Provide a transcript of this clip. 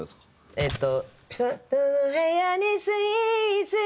えっと。